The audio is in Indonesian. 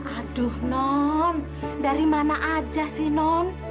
aduh non dari mana aja sih non